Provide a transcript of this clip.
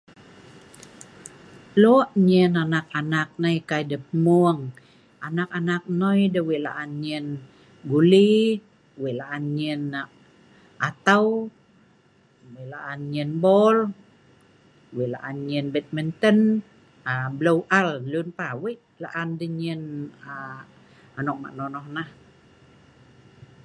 lok nyen anak anak nei kai deh hmung anak anak noi deh weik la'an nyen guli weik la'an nyen atau weik la'an nyen bol weik la'an nyen badminton aa bleu al lun pah weik la'an deh nyen ma nonoh nei